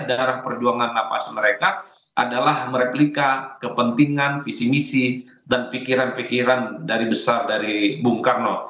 darah perjuangan nafas mereka adalah mereplika kepentingan visi misi dan pikiran pikiran dari besar dari bung karno